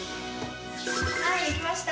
はいできました！